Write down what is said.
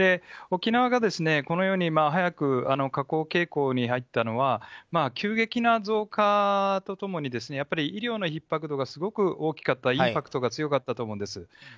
沖縄がこのように早く下降傾向に入ったのは急激な増加と共に医療のひっ迫度がすごく大きかった、インパクトが強かったと思うんです。